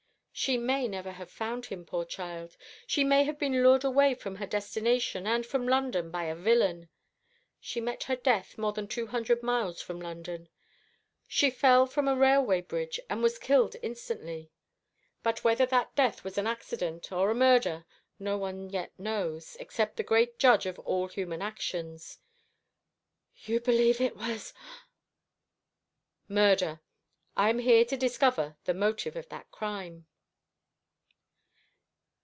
"She may never have found him, poor child. She may have been lured away from her destination and from London by a villain. She met her death more than two hundred miles from London. She fell from a railway bridge, and was killed instantly; but whether that death was an accident or a murder, no one yet knows, except the Great Judge of all human actions." "You believe it was " "Murder. I am here to discover the motive of that crime."